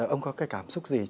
ông có cái cảm xúc gì